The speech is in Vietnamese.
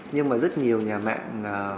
nhưng mà rất nhiều nhà mạng